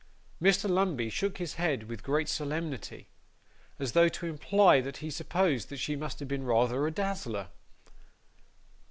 Mr. Lumbey shook his head with great solemnity, as though to imply that he supposed she must have been rather a dazzler.